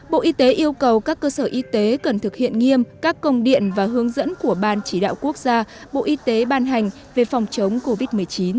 bộ y tế yêu cầu các cơ sở y tế cần thực hiện nghiêm các công điện và hướng dẫn của ban chỉ đạo quốc gia bộ y tế ban hành về phòng chống covid một mươi chín